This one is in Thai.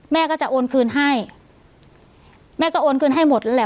แม่ก็จะโอนคืนให้แม่ก็โอนคืนให้หมดแล้วแหละ